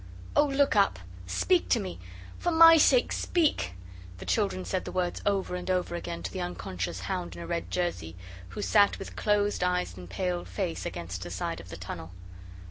"Oh, look up! Speak to me! For MY sake, speak!" The children said the words over and over again to the unconscious hound in a red jersey, who sat with closed eyes and pale face against the side of the tunnel.